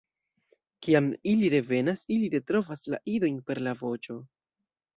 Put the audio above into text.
Kiam ili revenas, ili retrovas la idojn per la voĉo.